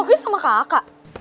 oki sama kakak